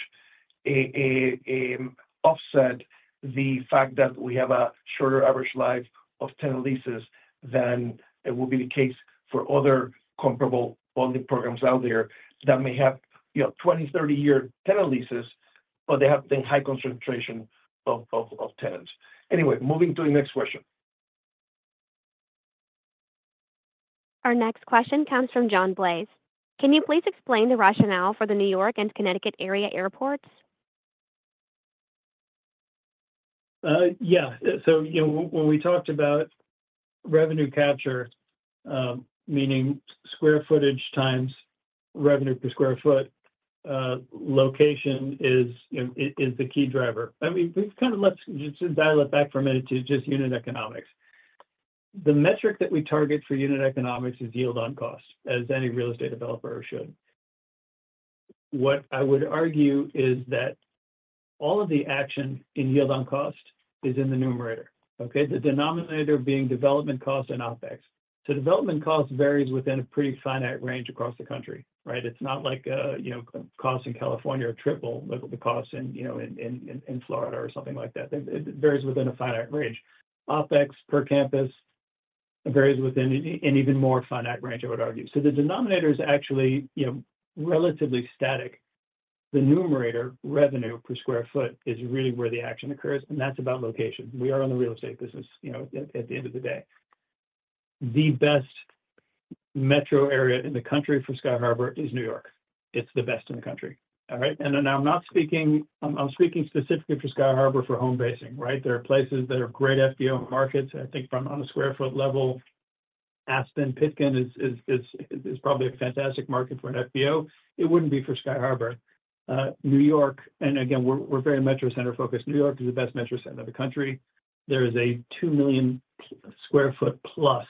offset the fact that we have a shorter average life of tenant leases than it will be the case for other comparable bonding programs out there that may have, you know, 20-, 30-year tenant leases, but they have the high concentration of tenants. Anyway, moving to the next question. Our next question comes from John Blais. Can you please explain the rationale for the New York and Connecticut area airports? Yeah. So, you know, when we talked about revenue capture, meaning square footage times revenue per square foot, location is, you know, the key driver. I mean, we've kind of- let's just dial it back for a minute to just unit economics. The metric that we target for unit economics is yield on cost, as any real estate developer should. What I would argue is that all of the action in yield on cost is in the numerator, okay? The denominator being development cost and OpEx. So development cost varies within a pretty finite range across the country, right? It's not like, you know, costs in California are triple, like, the costs in, you know, in Florida or something like that. It varies within a finite range. OpEx per campus varies within an even more finite range, I would argue. So the denominator is actually, you know, relatively static. The numerator, revenue per square foot, is really where the action occurs, and that's about location. We are in the real estate business, you know, at, at the end of the day. The best metro area in the country for Sky Harbour is New York. It's the best in the country. All right? And then I'm not speaking. I'm, I'm speaking specifically for Sky Harbour for home basing, right? There are places that are great FBO markets. I think from on a square foot level, Aspen Pitkin is probably a fantastic market for an FBO. It wouldn't be for Sky Harbour. New York, and again, we're, we're very metro center focused. New York is the best metro center in the country. There is a 2 million sq ft plus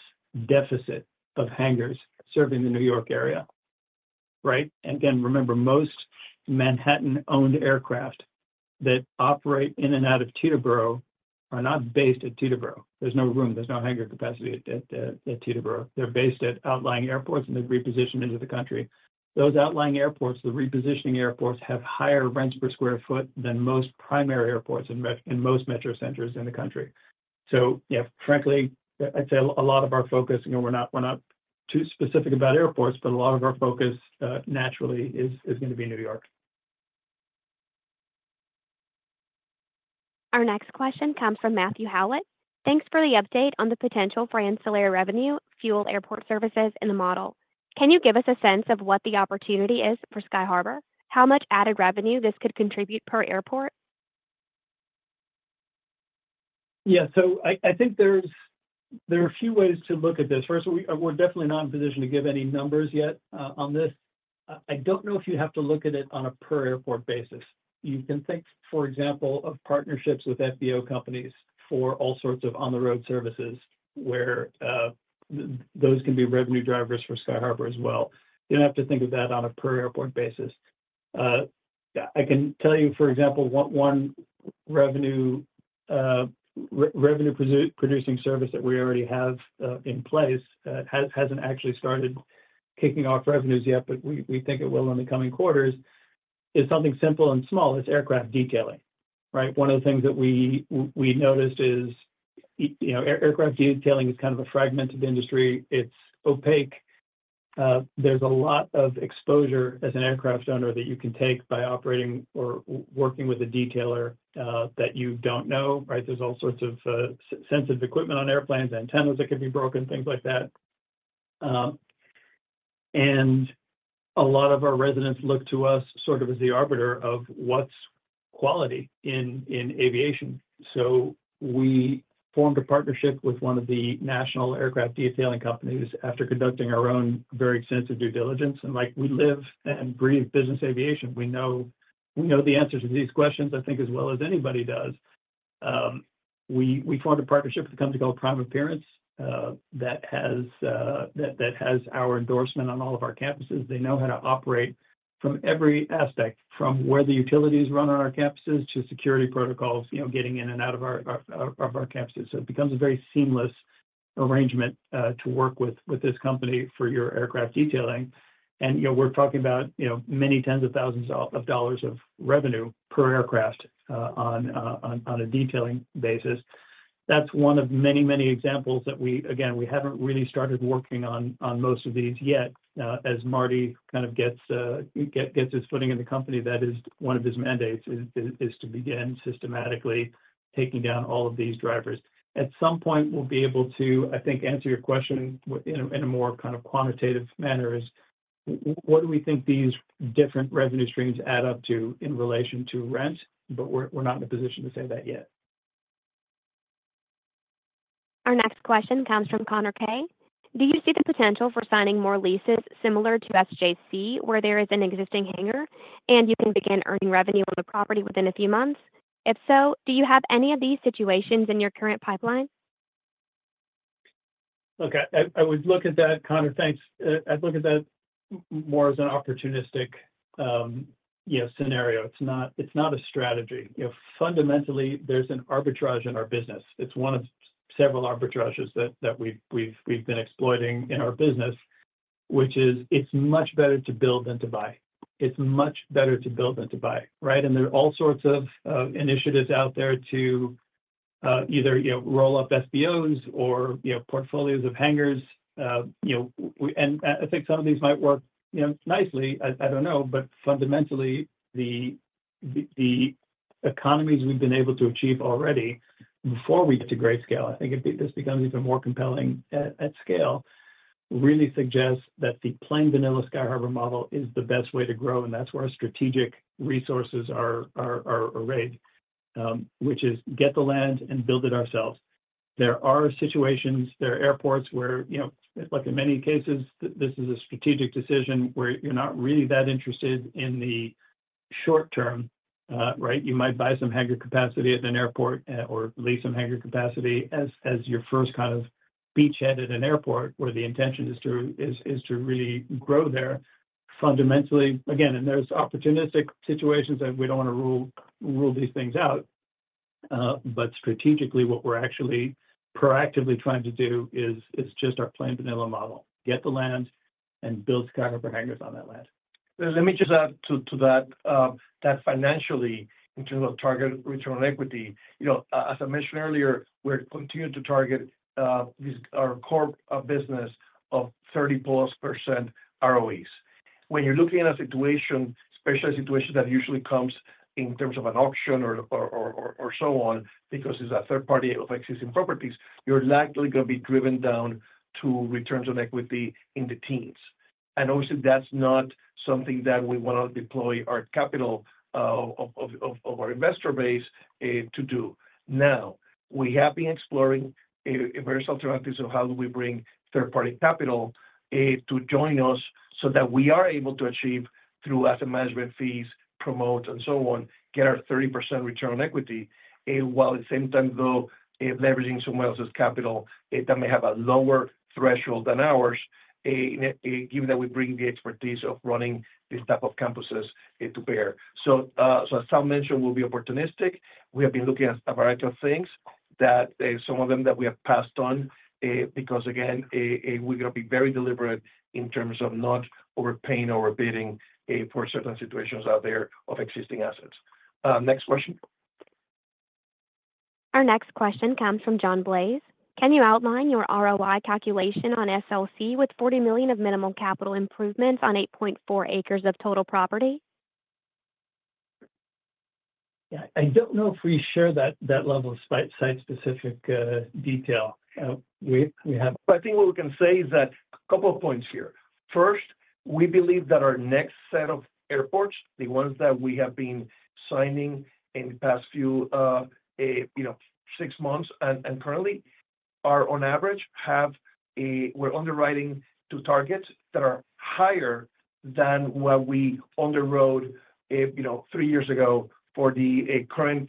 deficit of hangars serving the New York area, right? And again, remember, most Manhattan-owned aircraft that operate in and out of Teterboro are not based at Teterboro. There's no room, there's no hangar capacity at Teterboro. They're based at outlying airports, and they've repositioned into the country. Those outlying airports, the repositioning airports, have higher rents per square foot than most primary airports in most metro centers in the country. So, yeah, frankly, I'd say a lot of our focus, you know, we're not too specific about airports, but a lot of our focus naturally is gonna be in New York. Our next question comes from Matthew Howlett. Thanks for the update on the potential for ancillary revenue, fuel airport services in the model. Can you give us a sense of what the opportunity is for Sky Harbour? How much added revenue this could contribute per airport? Yeah, so I think there are a few ways to look at this. First, we're definitely not in a position to give any numbers yet on this. I don't know if you have to look at it on a per airport basis. You can think, for example, of partnerships with FBO companies for all sorts of on-the-road services, where those can be revenue drivers for Sky Harbour as well. You don't have to think of that on a per airport basis. Yeah, I can tell you, for example, one revenue producing service that we already have in place hasn't actually started kicking off revenues yet, but we think it will in the coming quarters. It's something simple and small; it's aircraft detailing, right? One of the things that we, we noticed is, you know, aircraft detailing is kind of a fragmented industry. It's opaque. There's a lot of exposure as an aircraft owner that you can take by operating or working with a detailer, that you don't know, right? There's all sorts of sensitive equipment on airplanes, antennas that could be broken, things like that. And a lot of our residents look to us sort of as the arbiter of what's quality in aviation. So we formed a partnership with one of the national aircraft detailing companies after conducting our own very extensive due diligence. And, like, we live and breathe business aviation. We know, we know the answers to these questions, I think, as well as anybody does. We formed a partnership with a company called Prime Appearance that has our endorsement on all of our campuses. They know how to operate from every aspect, from where the utilities run on our campuses to security protocols, you know, getting in and out of our campuses. So it becomes a very seamless arrangement to work with this company for your aircraft detailing. And, you know, we're talking about, you know, many tens of thousands of dollars of revenue per aircraft on a detailing basis. That's one of many, many examples that we—again, we haven't really started working on most of these yet. As Marty kind of gets his footing in the company, that is one of his mandates to begin systematically taking down all of these drivers. At some point, we'll be able to, I think, answer your question in a more kind of quantitative manner, what do we think these different revenue streams add up to in relation to rent? But we're not in a position to say that yet. Our next question comes from Connor Kaye. Do you see the potential for signing more leases similar to SJC, where there is an existing hangar, and you can begin earning revenue on the property within a few months? If so, do you have any of these situations in your current pipeline? Look, I would look at that, Connor, thanks. I'd look at that more as an opportunistic, you know, scenario. It's not, it's not a strategy. You know, fundamentally, there's an arbitrage in our business. It's one of several arbitrages that we've been exploiting in our business, which is it's much better to build than to buy. It's much better to build than to buy, right? And there are all sorts of initiatives out there to either, you know, roll up FBOs or, you know, portfolios of hangars. You know, and I think some of these might work, you know, nicely, I don't know. But fundamentally, the economies we've been able to achieve already before we get to great scale, I think this becomes even more compelling at scale, really suggests that the plain vanilla Sky Harbour model is the best way to grow, and that's where our strategic resources are arrayed, which is get the land and build it ourselves. There are situations, there are airports where, you know, like in many cases, this is a strategic decision where you're not really that interested in the short term, right? You might buy some hangar capacity at an airport, or lease some hangar capacity as your first kind of beachhead at an airport, where the intention is to really grow there. Fundamentally, again, and there's opportunistic situations that we don't want to rule these things out, but strategically, what we're actually proactively trying to do is just our plain vanilla model. Get the land and build Sky Harbour hangars on that land. Let me just add to that financially, in terms of target return on equity, you know, as I mentioned earlier, we're continuing to target this, our core business of 30%+ ROEs. When you're looking at a situation, especially a situation that usually comes in terms of an auction or so on, because it's a third party of existing properties, you're likely gonna be driven down to returns on equity in the teens. And obviously, that's not something that we wanna deploy our capital of our investor base to do. Now, we have been exploring various alternatives of how do we bring third-party capital to join us so that we are able to achieve through asset management fees, promotes, and so on, get our 30% return on equity, while at the same time, though, leveraging someone else's capital that may have a lower threshold than ours, given that we bring the expertise of running these type of campuses to bear. So, so as Tal mentioned, we'll be opportunistic. We have been looking at a variety of things that, some of them that we have passed on, because again, we're gonna be very deliberate in terms of not overpaying or overbidding for certain situations out there of existing assets. Next question. Our next question comes from John Blais. Can you outline your ROI calculation on SLC with $40 million of minimum capital improvements on 8.4 acres of total property? Yeah, I don't know if we share that level of site-specific detail. I think what we can say is that a couple of points here. First, we believe that our next set of airports, the ones that we have been signing in the past few, you know, six months and currently, are on average have a-- we're underwriting to targets that are higher than what we underwrote, you know, three years ago for the current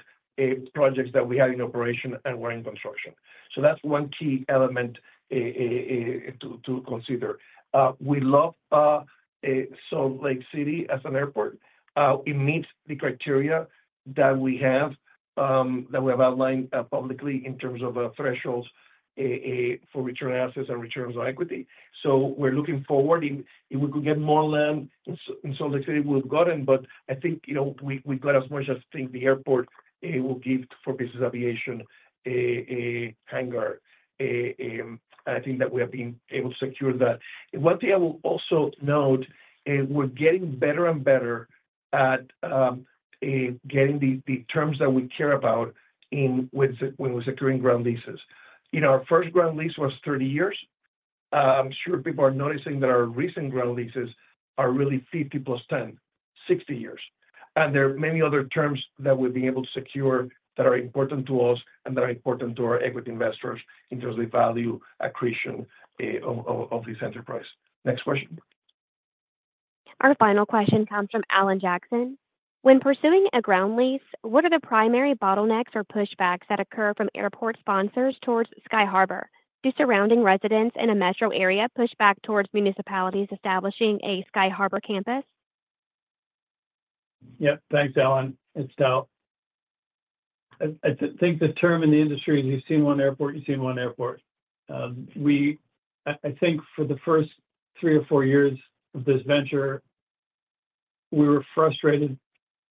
projects that we have in operation and were in construction. So that's one key element to consider. We love Salt Lake City as an airport. It meets the criteria that we have that we have outlined publicly in terms of thresholds for return on assets and returns on equity. So we're looking forward. If we could get more land in Salt Lake City, we've gotten, but I think, you know, we got as much as I think the airport will give for business aviation, a hangar, and I think that we have been able to secure that. One thing I will also note is we're getting better and better at getting the terms that we care about in when we're securing ground leases. You know, our first ground lease was 30 years. I'm sure people are noticing that our recent ground leases are really 50 plus 10, 60 years. And there are many other terms that we've been able to secure that are important to us and that are important to our equity investors in terms of value accretion of this enterprise. Next question. Our final question comes from Alan Jackson. When pursuing a ground lease, what are the primary bottlenecks or pushbacks that occur from airport sponsors towards Sky Harbour? Do surrounding residents in a metro area push back towards municipalities establishing a Sky Harbour campus? Yeah. Thanks, Alan. It's Tal. I think the term in the industry, if you've seen one airport, you've seen one airport. We were frustrated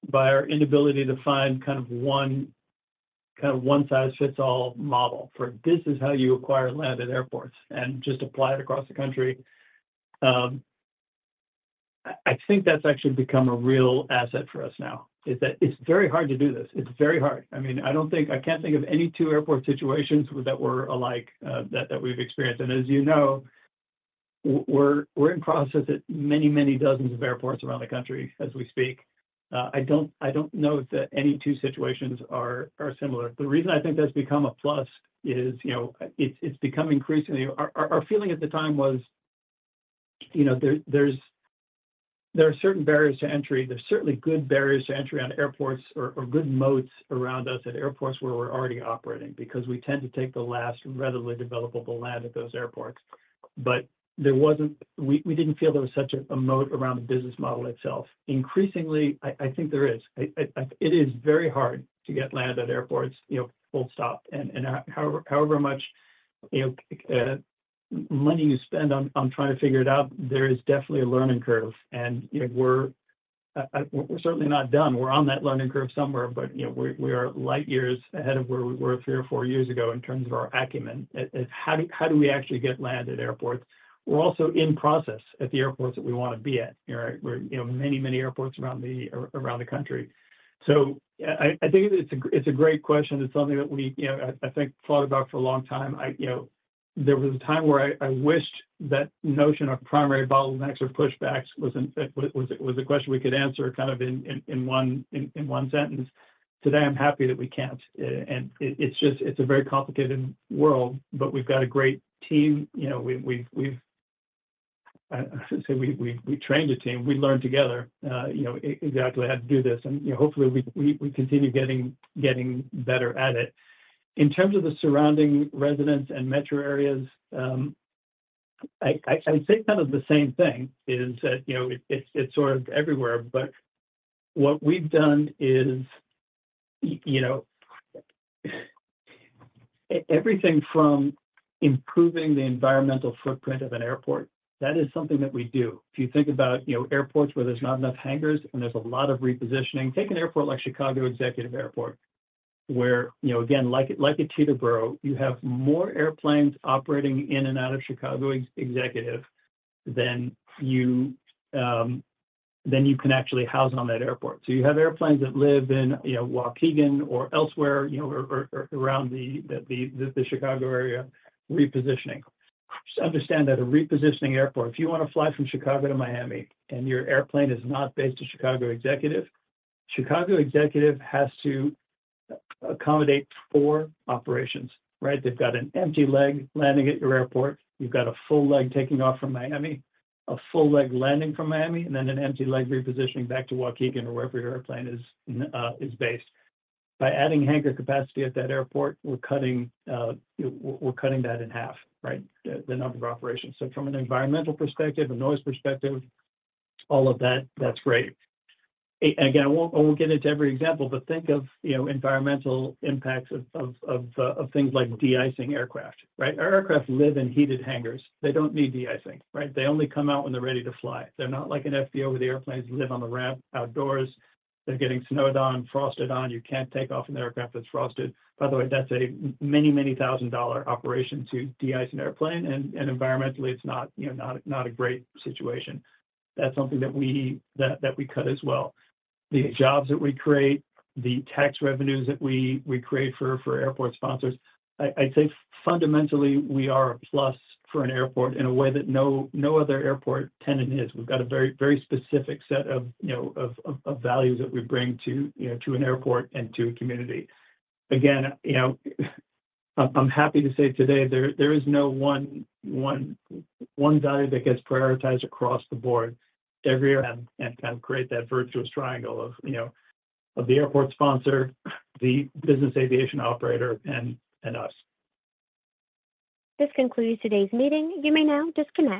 by our inability to find kind of one, kind of one-size-fits-all model, for this is how you acquire land at airports and just apply it across the country. I think that's actually become a real asset for us now, is that it's very hard to do this. It's very hard. I mean, I can't think of any two airport situations that were alike, that we've experienced. And as you know, we're in process at many, many dozens of airports around the country as we speak. I don't know that any two situations are similar. The reason I think that's become a plus is, you know, it's become increasingly... Our feeling at the time was, you know, there are certain barriers to entry. There's certainly good barriers to entry on airports or good moats around us at airports where we're already operating, because we tend to take the last readily developable land at those airports. But there wasn't—we didn't feel there was such a moat around the business model itself. Increasingly, it is very hard to get land at airports, you know, full stop. And however much, you know, money you spend on trying to figure it out, there is definitely a learning curve. And, you know, we're certainly not done. We're on that learning curve somewhere, but, you know, we're, we are light years ahead of where we were three or four years ago in terms of our acumen. How do we actually get land at airports? We're also in process at the airports that we want to be at, right? We're, you know, many, many airports around the country. So I think it's a great question. It's something that we, you know, I think thought about for a long time. I, you know, there was a time where I wished that notion of primary bottlenecks or pushbacks was a question we could answer kind of in one sentence. Today, I'm happy that we can't. And it's just a very complicated world, but we've got a great team. You know, we've trained a team. We learned together, you know, exactly how to do this. And, you know, hopefully, we continue getting better at it. In terms of the surrounding residents and metro areas, I would say kind of the same thing, that you know, it's sort of everywhere. But what we've done is, you know, everything from improving the environmental footprint of an airport, that is something that we do. If you think about, you know, airports where there's not enough hangars and there's a lot of repositioning, take an airport like Chicago Executive Airport, where, you know, again, like a Teterboro, you have more airplanes operating in and out of Chicago Executive than you than you can actually house on that airport. So you have airplanes that live in, you know, Waukegan or elsewhere, you know, or around the Chicago area, repositioning. Understand that a repositioning airport, if you want to fly from Chicago to Miami and your airplane is not based in Chicago Executive, Chicago Executive has to accommodate four operations, right? They've got an empty leg landing at your airport. You've got a full leg taking off from Miami, a full leg landing from Miami, and then an empty leg repositioning back to Waukegan or wherever your airplane is, is based. By adding hangar capacity at that airport, we're cutting, we're cutting that in half, right? The number of operations. So from an environmental perspective, a noise perspective, all of that, that's great. Again, I won't get into every example, but think of, you know, environmental impacts of things like de-icing aircraft, right? Our aircraft live in heated hangars. They don't need de-icing, right? They only come out when they're ready to fly. They're not like an FBO, where the airplanes live on the ramp outdoors. They're getting snowed on, frosted on. You can't take off in an aircraft that's frosted. By the way, that's a many thousand dollar operation to de-ice an airplane, and environmentally, it's not, you know, not a great situation. That's something that we cut as well. The jobs that we create, the tax revenues that we create for airport sponsors, I'd say fundamentally, we are a plus for an airport in a way that no other airport tenant is. We've got a very specific set of, you know, values that we bring to, you know, to an airport and to a community. Again, you know, I'm happy to say today, there is no one value that gets prioritized across the board, everywhere, and kind of create that virtuous triangle of, you know, the airport sponsor, the business aviation operator, and us. This concludes today's meeting. You may now disconnect.